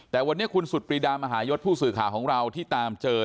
แต่วันนี้คุณสุดปรีดามหายศผู้สื่อข่าวของเราที่ตามเจอ